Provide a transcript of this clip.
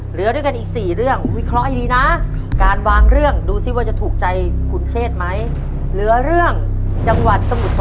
เหลือด้วยกันอีกสี่เรื่องวิเคราะห์ให้ดีนะ